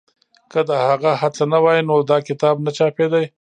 که د هغه هڅه نه وای نو دا کتاب نه چاپېده.